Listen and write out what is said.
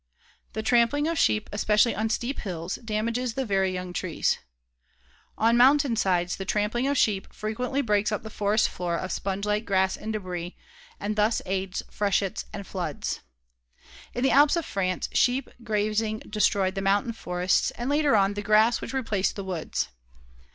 The trampling of sheep, especially on steep hills, damages the very young trees. On mountain sides the trampling of sheep frequently breaks up the forest floor of sponge like grass and debris and thus aids freshets and floods. In the Alps of France sheep grazing destroyed the mountain forests and, later on, the grass which replaced the woods.